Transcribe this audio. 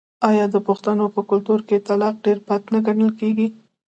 آیا د پښتنو په کلتور کې طلاق ډیر بد نه ګڼل کیږي؟